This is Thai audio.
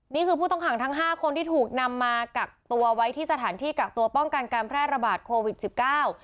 ผู้ต้องขังทั้งห้าคนที่ถูกนำมากักตัวไว้ที่สถานที่กักตัวป้องกันการแพร่ระบาดโควิดสิบเก้า